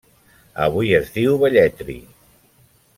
Avui es diu Velletri.